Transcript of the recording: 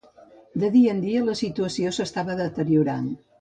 De dia en dia, la situació s'estava deteriorant.